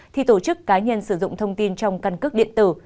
thì tổ chức cá nhân sử dụng thông tin trong căn cước điện tử